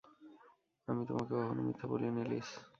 আমি তোমাকে কখনো মিথ্যা বলিনি, লিস।